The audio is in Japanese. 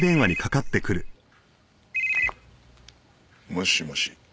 もしもし。